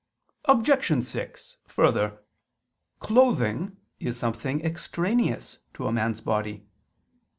Obj. 6: Further, clothing is something extraneous to man's body.